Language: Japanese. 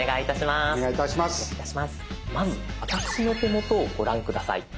まず私の手元をご覧下さい。